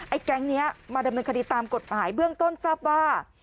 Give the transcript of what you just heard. แก๊งนี้มาดำเนินคดีตามกฎหมายเบื้องต้นทราบว่า